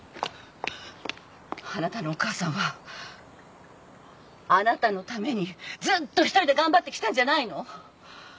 あなたのお母さんはあなたのためにずっと一人で頑張ってきたんじゃないの？